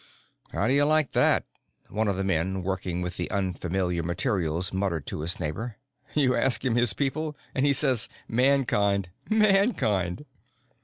"How do you like that?" one of the men working with the unfamiliar materials muttered to his neighbor. "You ask him his people, and he says, 'Mankind.' _Mankind!